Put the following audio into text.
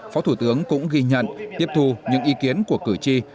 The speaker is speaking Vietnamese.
phó thủ tướng cũng ghi nhận tiếp thù những ý kiến của cử tri